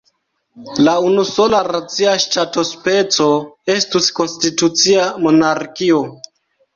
La unusola racia ŝtatospeco estus konstitucia monarkio.